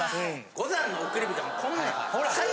五山の送り火でもこんなんほら。